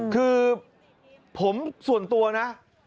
คือผมส่วนตัวนะ